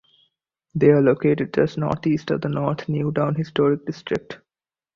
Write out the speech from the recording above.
They are located just northeast of the North New Town Historic District.